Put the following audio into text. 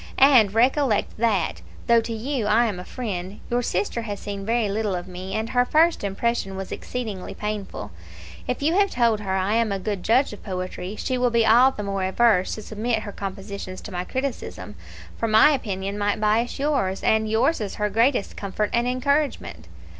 And recollect that, though to you I am a friend, your sister has seen very little of me, and her first impression was exceedingly painful. If you have told her I am a good judge of poetry, she will be all the more averse to submit her compositions to my criticism, for my opinion might bias yours, and yours is her greatest comfort and encouragement.